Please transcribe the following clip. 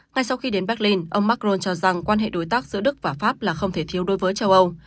ngay sau khi đến berlin ông macron cho rằng quan hệ đối tác giữa đức và pháp là không thể thiếu đối với châu âu